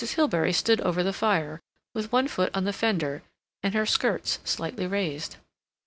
Hilbery stood over the fire, with one foot on the fender, and her skirts slightly raised.